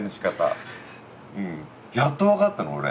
うんやっと分かったの俺。